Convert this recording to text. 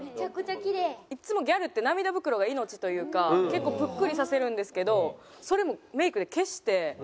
いつもギャルって涙袋が命というか結構ぷっくりさせるんですけどそれもメイクで消して。